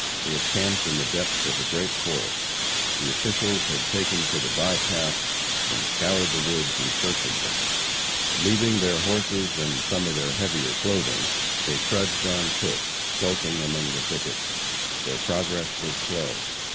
They had camped in the depths of a great forest. The officials had taken to the by paths and scoured the woods in search of them. Leaving their horses and some of their heavier clothing, they trudged on foot, skulking among the thickets. Their progress was slow.